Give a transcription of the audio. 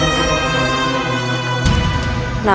kalian harus segera